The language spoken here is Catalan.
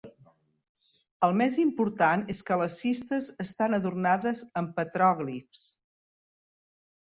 El més important és que les cistes estan adornades amb petròglifs.